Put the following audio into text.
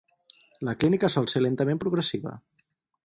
La clínica sol ser lentament progressiva.